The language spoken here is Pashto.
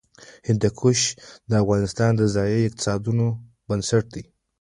هندوکش د افغانستان د ځایي اقتصادونو بنسټ دی.